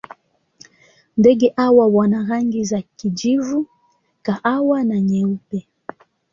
Ndege hawa wana rangi za kijivu, kahawa na nyeupe.